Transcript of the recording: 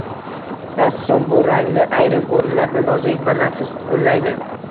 Rassom bu rangni ayrim o‘rinlarda nozik va nafis qo‘llaydi.